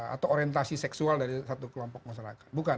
atau orientasi seksual dari satu kelompok masyarakat